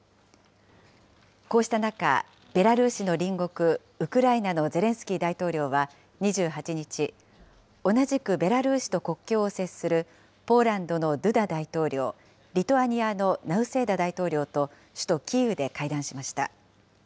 こうした中、ベラルーシの隣国ウクライナのゼレンスキー大統領は２８日、同じくベラルーシと国境を接するポーランドのドゥダ大統領、リトアニアのナウセーダ大統領と首都キーウで会談しました。